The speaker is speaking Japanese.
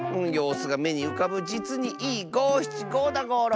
すがめにうかぶじつにいいごしちごだゴロ。